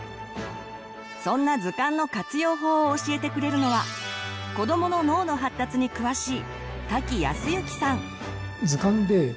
そんな図鑑の活用法を教えてくれるのは子どもの脳の発達に詳しい瀧靖之さん。